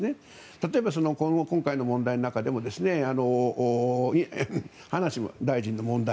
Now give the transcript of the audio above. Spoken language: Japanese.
例えば、今回の問題の中でも葉梨大臣の問題